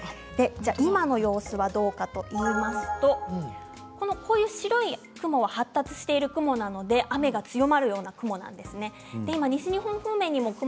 今の様子がどうかといいますと白い雲は発達している雲なので雨が強まるところもあるんですね。